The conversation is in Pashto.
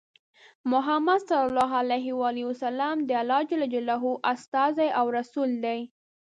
محمد ص د الله ج استازی او رسول دی.